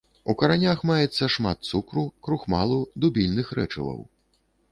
У каранях маецца шмат цукру, крухмалу, дубільных рэчываў.